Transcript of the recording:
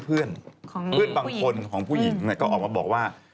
เพื่อนบางคนของผู้หญิงก็ออกมาบอกว่า